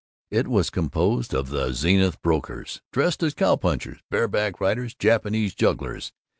It was composed of the Zenith brokers, dressed as cowpunchers, bareback riders, Japanese jugglers.